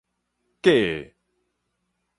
假的